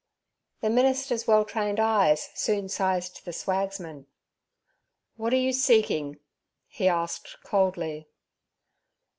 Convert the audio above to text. The minister's well trained eyes soon sized the swagsman. 'What are you seeking?' he asked coldly.